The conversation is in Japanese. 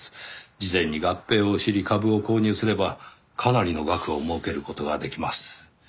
事前に合併を知り株を購入すればかなりの額を儲ける事ができます。